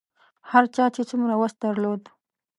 هر چا چې څومره وس درلود.